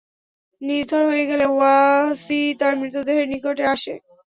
নিথর হয়ে গেলে ওয়াহশী তাঁর মৃতদেহের নিকটে আসে।